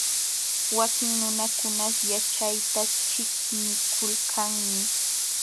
Wakin nunakuna yaćhayta ćhiqnikulkanmi.